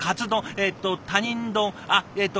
えっと他人丼あっえっと